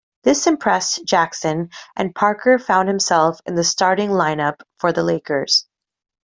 This impressed Jackson, and Parker found himself in the starting line-up for the Lakers.